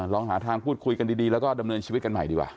ลองหาทางพูดคุยกันดีแล้วก็ดำเนินชีวิตกันใหม่ดีกว่า